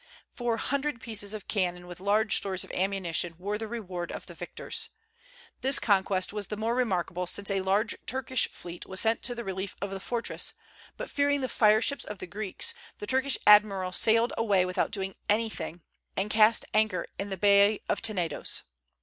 Four hundred pieces of cannon, with large stores of ammunition, were the reward of the victors. This conquest was the more remarkable since a large Turkish fleet was sent to the relief of the fortress; but fearing the fire ships of the Greeks, the Turkish admiral sailed away without doing anything, and cast anchor in the bay of Tenedos.